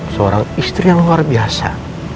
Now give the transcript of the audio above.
seorang istri yang luar biasa